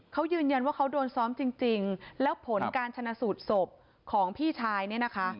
เขายืนยันว่าเขาโดนซ้อมจริงแล้วผลการชนะสูตรศพของพี่ชายเนี่ยนะคะ